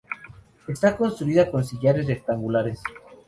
Está construida con sillares rectangulares.